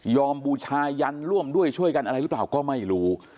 บูชายันร่วมด้วยช่วยกันอะไรหรือเปล่าก็ไม่รู้